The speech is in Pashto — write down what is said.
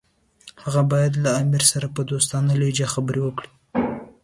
هغه باید له امیر سره په دوستانه لهجه خبرې وکړي.